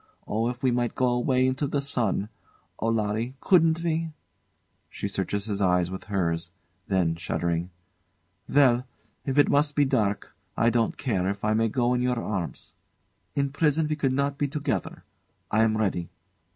Oh, if we might go away into the sun! Oh! Larry couldn't we? [She searches his eyes with hers then shuddering] Well! If it must be dark I don't care, if I may go in your arms. In prison we could not be together. I am ready.